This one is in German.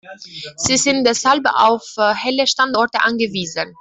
Sie sind deshalb auf helle Standorte angewiesen.